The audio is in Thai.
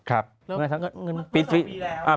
แล้วเงินเตอร์เจอปีแล้ว